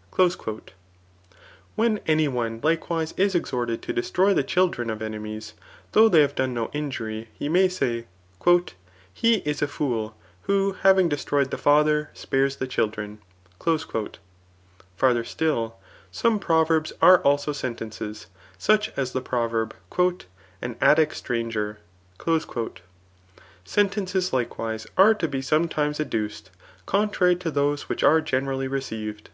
* When any one likewise is exhorted to destroy the chil* dren of enemies, though they have done no injury, he may say, •*He is a fool, who having destroyed the ftdier spares the children." Farther still, some proverbs are also sentences ; such as the proverb, ^* An Attic stranger/' Sentences likewise are to be somedihes ad« duced, contrary to those which are generally received.